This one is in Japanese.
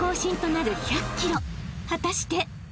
［果たして？］